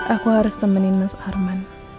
aku harus temenin mas arman